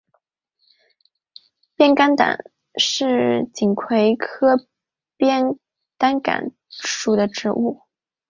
扁担杆为锦葵科扁担杆属的植物。